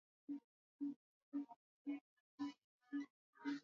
Tangu mwaka elfu moja mia tisa sabini